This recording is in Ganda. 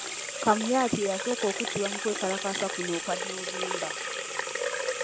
Kamuyat ye yasooka okuttibwa mu kwekalakaasa kuno okwa Novemba .